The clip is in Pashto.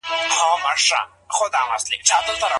د ساینس او پوهي لار له همدې ځایه پیلیږي.